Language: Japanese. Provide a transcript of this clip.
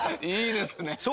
いいですね。